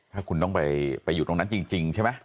ถ้าคุณต้องไปอยู่ตรงนั้นจริงใช่ไหม